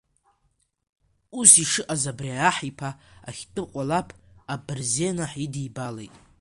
Ус ишыҟаз абри аҳ иԥа ахьтәы кәалаԥ абырзен аҳ идибалеит.